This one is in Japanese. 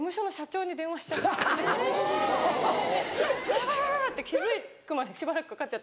ヤバいヤバい！って気付くまでしばらくかかっちゃって。